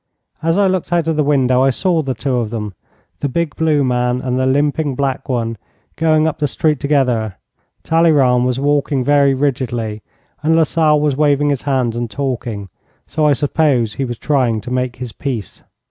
As I looked out of the window I saw the two of them, the big blue man and the limping black one, going up the street together. Talleyrand was walking very rigidly, and Lasalle was waving his hands and talking, so I suppose he was trying to make his peace.